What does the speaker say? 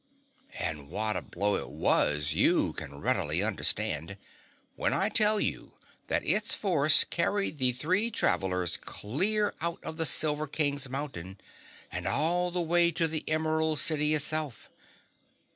And what a blow it was you can readily understand, when I tell you that its force carried the three travelers clear out of the Silver King's Mountain and all the way to the Emerald City itself.